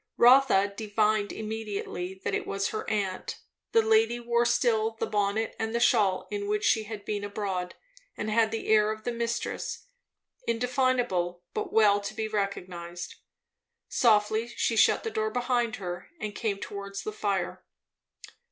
Rotha divined immediately that it was her aunt; the lady wore still the bonnet and the shawl in which she had been abroad, and had the air of the mistress, indefinable but well to be recognized. Softly she shut the door behind her and came towards the fire.